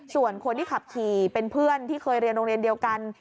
ส่วนคนที่ขับขี่เป็นเพื่อนที่เคยเรียนโรงเรียนเดียวกัน